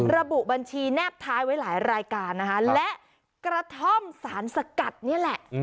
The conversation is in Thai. ระบุบัญชีแนบท้ายไว้หลายรายการนะคะและกระท่อมสารสกัดนี่แหละ